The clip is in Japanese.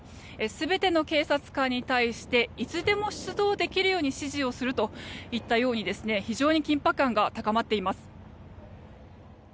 全ての警察官に対していつでも出動できるように指示をするといったように非常に緊迫感が高まっています。